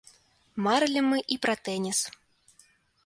Марылі мы і пра тэніс.